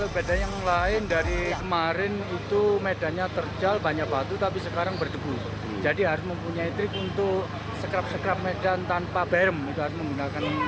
bagaimana cara mengatur nafas di atas perjalanan